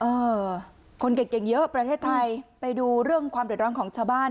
เออคนเก่งเยอะประเทศไทยไปดูเรื่องความเดือดร้อนของชาวบ้าน